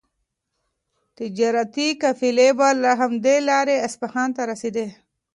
تجارتي قافلې به له همدې لارې اصفهان ته رسېدې.